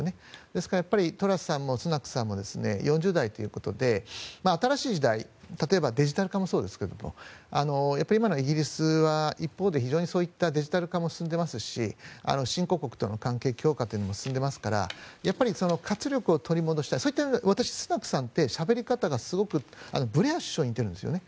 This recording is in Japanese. ですからトラスさんもスナクさんも４０代ということで新しい時代例えばデジタル化もそうですが今のイギリスは一方で非常にそういったデジタル化も進んでいますし新興国との関係強化も進んでいますから活力を取り戻したい私、スナクさんってしゃべり方がすごくブレア首相に似てるんですよね。